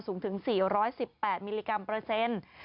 สูงถึง๔๑๘มิลลิกรัมเปอร์เซ็นต์